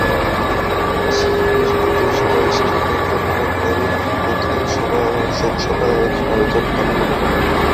শিল্পী সমিতির সবাই বসে সিদ্ধান্ত নেবেন পরে কোথায় শোকসভা আয়োজন করা হবে।